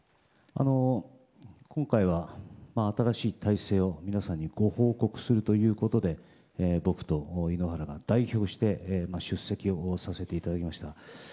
今回は、新しい体制を皆さんにご報告するということで僕と井ノ原が代表して出席をさせていただきました。